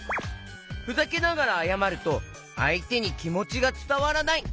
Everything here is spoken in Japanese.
ふざけながらあやまるとあいてにきもちがつたわらない！